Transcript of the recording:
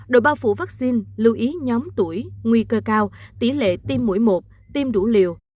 đội bao phủ vaccine lưu ý nhóm tuổi nguy cơ cao tỷ lệ tiêm mũi một tiêm đủ liều